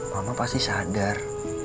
mama pasti sadar